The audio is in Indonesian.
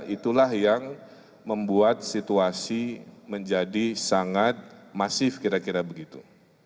itulah yang membuat situasi menjadi sangat masif kira kira begitu